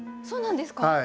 そうなんですか？